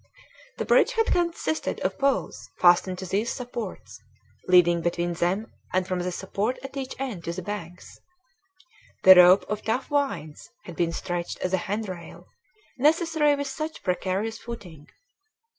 The bridge had consisted of poles fastened to these supports, leading between them and from the support at each end to the banks. The rope of tough vines had been stretched as a hand rail, necessary with such precarious footing.